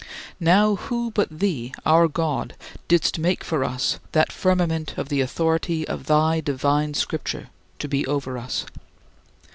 Now who but thee, our God, didst make for us that firmament of the authority of thy divine Scripture to be over us?